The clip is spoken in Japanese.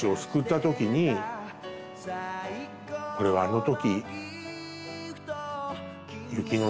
これはあの時。